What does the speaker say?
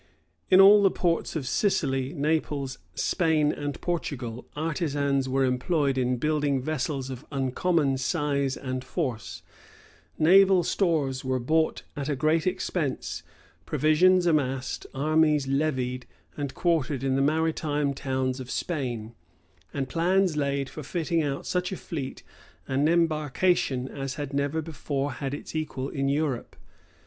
In all the ports of Sicily, Naples, Spain, and Portugal, artisans were employed in building vessels of uncommon size and force; naval stores were bought at a great expense; provisions amassed; armies levied and quartered in the maritime towns of Spain; and plans laid for fitting out such a fleet and embarkation as had never before had its equal in Europe.